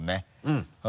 うん。